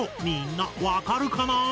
みんなわかるかな？